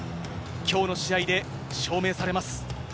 きょうの試合で証明されます。